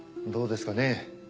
どうですかね。